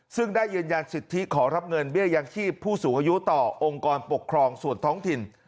ซึ่งได้ยืนยันสิทธิขอรับเงินเบี้ยยังชีพผู้สูงอายุต่อองค์กรปกครองส่วนท้องถิ่น